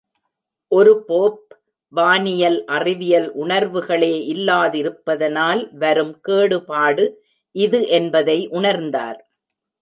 ஒரு போப், வானியல், அறிவியல் உணர்வுகளே இல்லாதிருப்பதனால் வரும் கேடுபாடு இது என்பதை உணர்ந்தார்!